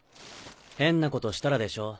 変なことしたらでしょ？